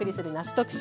特集。